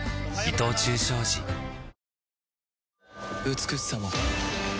美しさも